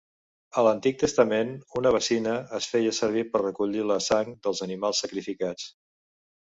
A l'Antic Testament una bacina es feia servir per recollir la sang dels animals sacrificats.